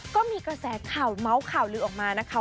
ก็มีกระแสข่าวเมาส์ข่าวลือออกมานะคะ